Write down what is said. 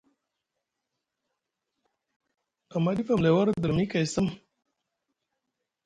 Amma ɗif amlay warɗi dulumi kay sam.